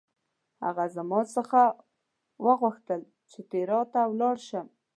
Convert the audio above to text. هغه زما څخه وغوښتل چې تیراه ته ولاړ شم.